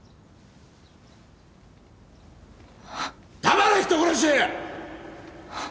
黙れ人殺し！